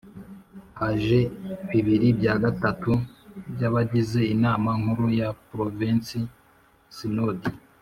Haje bibiri bya gatatu by’abagize Inama Nkuru ya Provensi Sinodi